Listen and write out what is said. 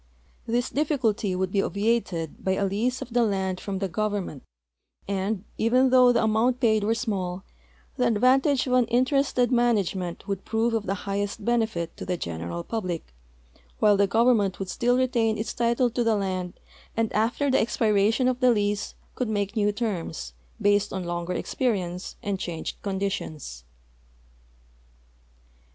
This difficulty would be obviated by a lease of the land from the government, and, even though the amount paid were small, the advantage of an interested manage ment would prove of the highest benefit to the general public, while the government would still retain its title to the land and after the expiration of the lease could make new terms, based on longer experience and changed conditions.